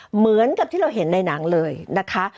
เหมือนกับที่เราเห็นในหนังเลยนะคะ